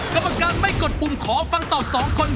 กรรมการไม่กดปุ่มขอฟังต่อ๒คน